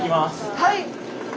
はい。